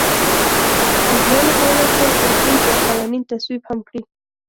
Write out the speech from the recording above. ویګیانو کولای شول ځپونکي او قوانین تصویب هم کړي.